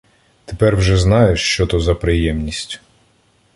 Тепер вже знаєш, що то за приємність.